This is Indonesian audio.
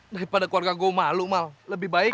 daripada keluarga gue malu mah lebih baik